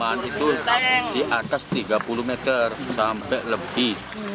lahan itu di atas tiga puluh meter sampai lebih